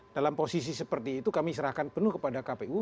dalam posisi seperti itu kami serahkan penuh kepada kpu